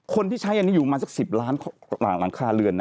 คนที่ใช้อยู่มาสัก๑๐ล้านคนหลังคลาเรือน